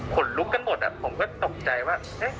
คนลุกกันหมดผมก็ตกใจว่า